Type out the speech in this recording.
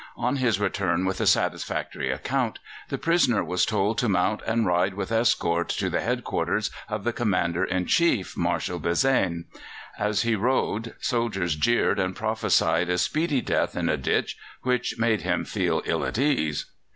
On his return with a satisfactory account, the prisoner was told to mount and ride with escort to the head quarters of the Commander in Chief, Marshal Bazaine. As he rode soldiers jeered and prophesied a speedy death in a ditch, which made him feel ill at ease.